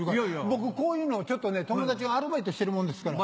僕こういうのをちょっとね友達がアルバイトしてるもんですから。